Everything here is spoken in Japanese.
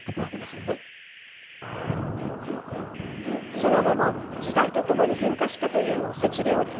その後も時代とともに変化したというおせち料理。